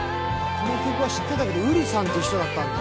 この曲は知ってたけどＵｒｕさんっていう人だったんだ。